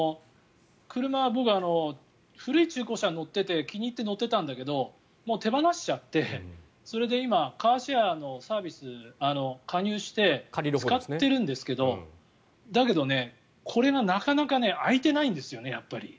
車、古い中古車に乗ってて気に入って乗ってたんだけどもう手放しちゃって今、カーシェアのサービスに加入して、使ってるんですけどだけど、これがなかなか空いてないんですよね。